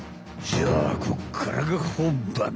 じゃあこっからが本番。